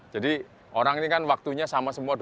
jadi orang ini kan waktunya sama semuanya